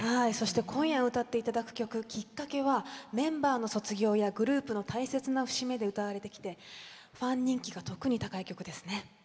今夜歌っていただく曲「きっかけ」はメンバーの卒業やグループの大切な節目で歌われてきてファンの人気が特に高い曲です。